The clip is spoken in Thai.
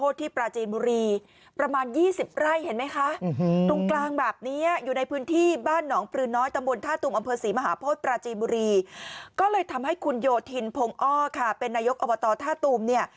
สรีมหาพสพระจีนบุรี